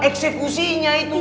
oh konsep usihnya itu